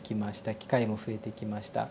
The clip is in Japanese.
機会も増えてきました。